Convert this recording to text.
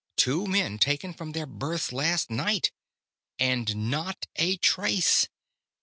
Two men taken from their berths last night. And not a trace.